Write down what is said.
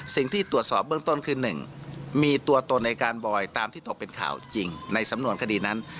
สิ่งที่ตรวจสอบเบื้องต้นคือ๑มีตัวตนในการบอยตามที่ตกเป็นข่าวจริงในสำนวนคดีนั้น